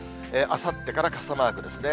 あさってから傘マークですね。